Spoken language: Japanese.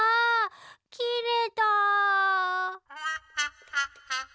きれた！